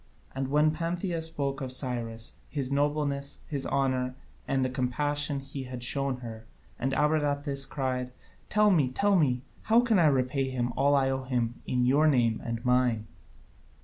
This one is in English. And then Pantheia spoke of Cyrus, his nobleness, his honour, and the compassion he had shown her, and Abradatas cried: "Tell me, tell me, how can I repay him all I owe him in your name and mine!"